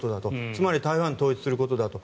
つまり台湾を統一することだと。